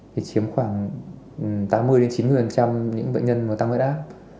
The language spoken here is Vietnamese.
thì chiếm khoảng tám mươi chín mươi những bệnh nhân mà tăng huyết áp